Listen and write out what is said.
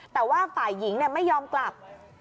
แต่ว่าฝ่ายหญิงไม่ยอมกลับ